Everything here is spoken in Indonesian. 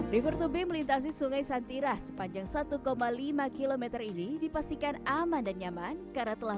river tube melintasi sungai santirah sepanjang satu lima km ini dipastikan aman dan nyaman karena telah